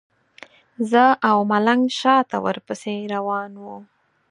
زه او ملنګ شاته ورپسې روان وو.